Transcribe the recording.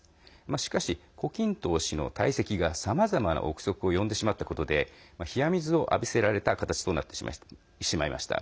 しかし、胡錦涛氏の退席がさまざまな憶測を呼んでしまったことで冷や水を浴びせられた形となってしまいました。